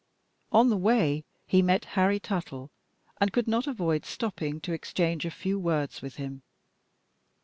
On the way he met Harry Tuttle, and could not avoid stopping to exchange a few words with him..